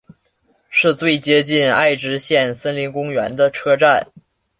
是最接近爱知县森林公园的车站。